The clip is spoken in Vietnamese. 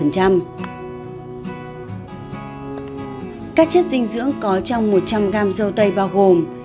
các chất dinh dưỡng có trong một trăm linh gram dâu tây bao gồm